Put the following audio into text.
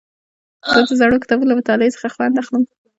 زه د زړو کتابونو له مطالعې خوند اخلم.